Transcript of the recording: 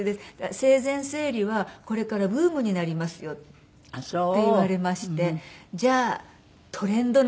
「生前整理はこれからブームになりますよ」って言われましてじゃあトレンドなんだと思って。